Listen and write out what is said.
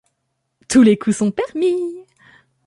Tous les coups sont permis.